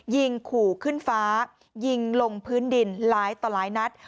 ยิงขู่ขึ้นฟ้ายิงลงพื้นดินหลายต่อหลายนัด